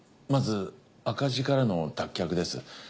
まず赤字からの脱却です。